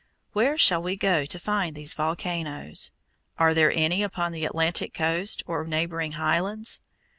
Where shall we go to find these volcanoes? Are there any upon the Atlantic coast or neighboring highlands?